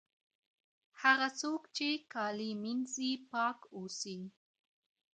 هغه څوک چي کالي مينځي پاک اوسي!.